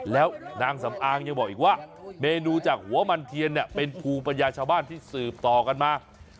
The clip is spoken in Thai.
แล้วนางสำอางยังบอกอีกว่าเมนูจากหัวมันเทียนเนี่ยเป็นภูมิปัญญาชาวบ้านที่สืบต่อกันมา